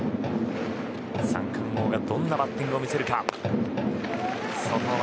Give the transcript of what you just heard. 三冠王がどんなバッティングを見せるか。